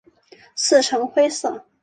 刺呈灰色。